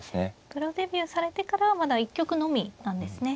プロデビューされてからはまだ１局のみなんですね